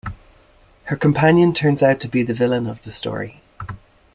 Her companion turns out to be the villain of the story.